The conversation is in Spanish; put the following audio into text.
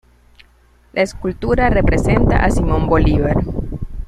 La escultura representa a Simón Bolívar.